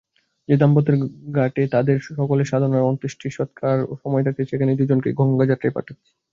যে দাম্পত্যের ঘাটে ওদের সকল সাধনার অন্ত্যেষ্টিসৎকার, সময় থাকতে সেখানেই দুজনকে গঙ্গাযাত্রায় পাঠাচ্ছি।